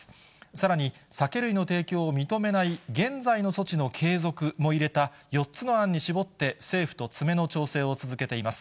さらに酒類の提供を認めない現在の措置の継続も入れた４つの案に絞って、政府と詰めの調整を続けています。